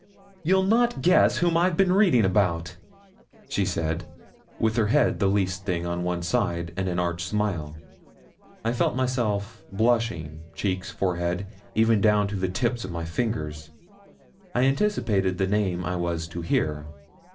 'You'll not guess whom I've been reading about,' said she, with her head the least thing on one side, and an arch smile. I felt myself blushing cheeks, forehead, even down to the tips of my fingers. I anticipated the name I was to hear.